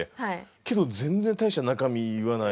けど全然大した中身言わない。